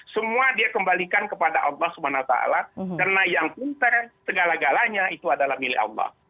semua dia kembalikan kepada allah swt karena yang pinter segala galanya itu adalah milik allah